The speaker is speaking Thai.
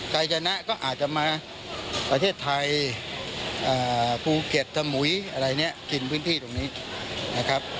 ใครชนะก็อาจจะมาประเทศไทยภูเก็ตสมุยอะไรเนี่ยกินพื้นที่ตรงนี้นะครับ